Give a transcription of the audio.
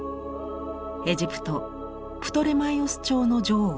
エジプトプトレマイオス朝の女王